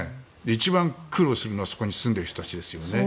一番苦労するのはそこに住んでいる人ですよね。